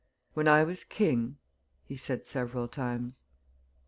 "When I was king ...," he said several times.